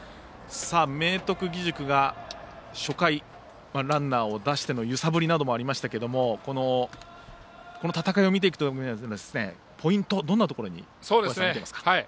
明徳義塾が初回ランナーを出しての揺さぶりなどもありましたがこの戦いを見ていくとポイントどんなところにありますか。